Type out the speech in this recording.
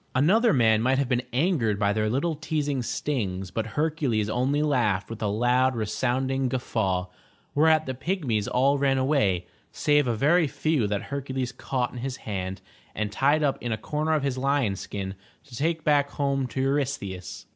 Another man might have been angered by their little teasing stings, but Hercules only laughed with a loud resounding guffaw, whereat the Pygmies all ran away, save a very few that Hercules caught in his hand, and tied up in a comer of his lion's skin to take back home to Eurystheus.